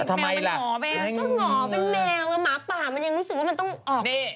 ก็ห่อเป็นแมวหมาป่ามันยังรู้สึกว่ามันต้องออก